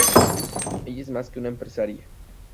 Ella es más que una empresaria.